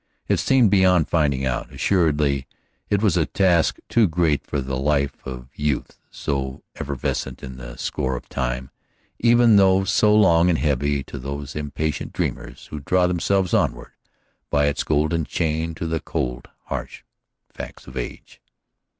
It seemed beyond finding out. Assuredly it was a task too great for the life of youth, so evanescent in the score of time, even though so long and heavy to those impatient dreamers who draw themselves onward by its golden chain to the cold, harsh facts of age.